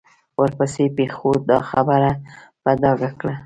ورپسې پېښو دا خبره په ډاګه کړه.